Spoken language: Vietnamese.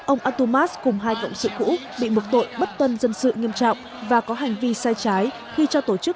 ông atumas cùng hai cộng sự cũ bị buộc tội bất tuân dân sự nghiêm trọng và có hành vi sai trái khi cho tổ chức